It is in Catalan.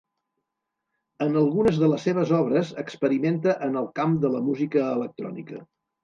En algunes de les seves obres experimenta en el camp de la música electrònica.